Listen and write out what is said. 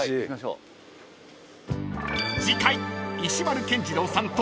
［次回］